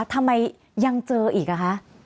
ทำไมยังเจออีกอ่ะคะ